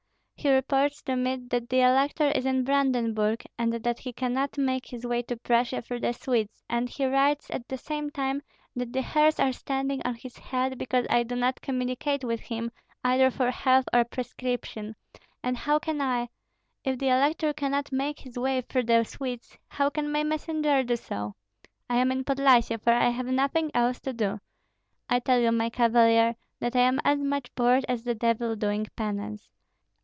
He reports to me that the elector is in Brandenburg, and that he cannot make his way to Prussia through the Swedes, and he writes at the same time that the hairs are standing on his head because I do not communicate with him, either for health or prescription; and how can I? If the elector cannot make his way through the Swedes, how can my messenger do so? I am in Podlyasye, for I have nothing else to do. I tell you, my cavalier, that I am as much bored as the devil doing penance.